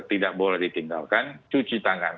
tidak boleh ditinggalkan cuci tangan